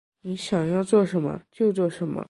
你想要做什么？就做什么